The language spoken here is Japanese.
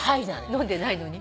飲んでないのに？